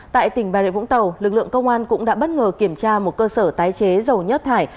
tại tỉnh bà rịa vũng tàu lực lượng công an cũng đã bất ngờ kiểm tra một cơ sở tái chế dầu nhất thải